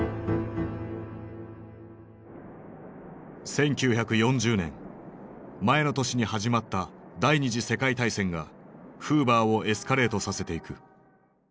１９４０年前の年に始まった第２次世界大戦がフーバーをエスカレートさせていく。